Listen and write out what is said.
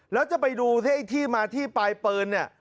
แล้วจะไปดูสิไอ้ที่มาที่ปลายปืนเนี่ย